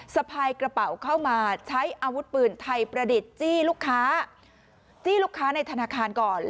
สะพายกระเป๋าเข้ามาใช้อาวุธปืนไทยประดิษฐ์จี้ลูกค้าจี้ลูกค้าในธนาคารก่อน